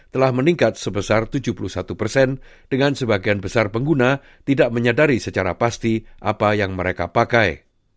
pada saat ini pengguna tidak menyadari secara pasti apa yang mereka pakai